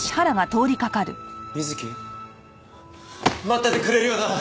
待っててくれるよな？